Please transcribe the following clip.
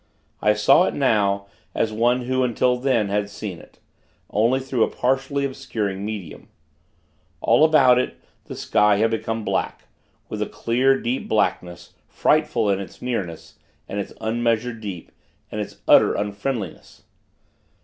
I saw it, now, as one who, until then, had seen it, only through a partially obscuring medium. All about it, the sky had become black, with a clear, deep blackness, frightful in its nearness, and its unmeasured deep, and its utter unfriendliness.